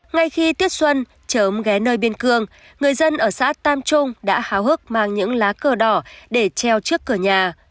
ngay khi tiết xuân chớm ghé nơi biên cương người dân ở xã tam trung đã háo hức mang những lá cờ đỏ để treo trước cửa nhà